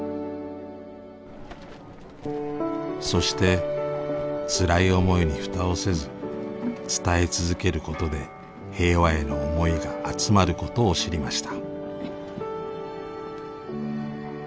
そしてつらい思いにフタをせず伝え続けることで平和への思いが集まることを知りました。